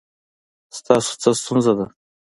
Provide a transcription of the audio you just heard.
ستاسو څه ستونزه ده؟